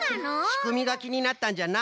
しくみがきになったんじゃな！